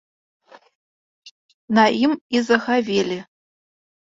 На ім і загавелі.